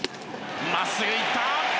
真っすぐいった！